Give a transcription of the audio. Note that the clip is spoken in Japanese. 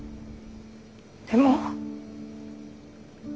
でも。